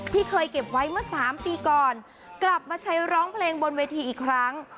เคยเก็บไว้เมื่อ๓ปีก่อนกลับมาใช้ร้องเพลงบนเวทีอีกครั้ง